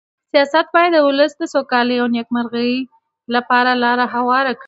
سیاست باید د ولس د سوکالۍ او نېکمرغۍ لپاره لاره هواره کړي.